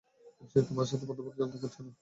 সে তোমার সাথে প্রথমবার ঝগড়া করছে না।